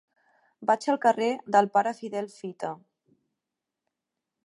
Vaig al carrer del Pare Fidel Fita.